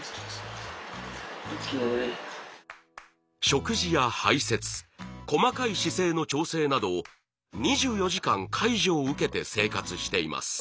食事や排せつ細かい姿勢の調整など２４時間介助を受けて生活しています。